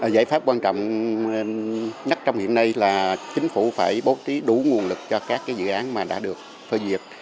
giải pháp quan trọng nhất trong hiện nay là chính phủ phải bố trí đủ nguồn lực cho các dự án mà đã được phơi diệt